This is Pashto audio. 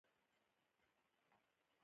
مېلمه ته د خپل وطن مهرباني وښیه.